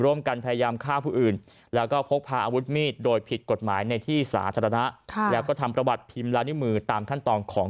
ร่วมกันพยายามฆ่าผู้อื่น